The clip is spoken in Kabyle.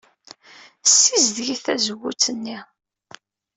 Ssizedget tazewwut-nni.